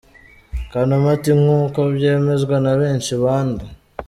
Kanuma ati “nk’uko byemezwa na benshi”, bande?